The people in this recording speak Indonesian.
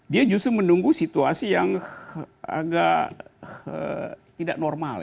dia justru menunggu situasi yang agak tidak normal